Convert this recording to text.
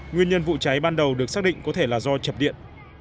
nguyên nhân vụ cháy ban đầu được xác định có thể là do chập điện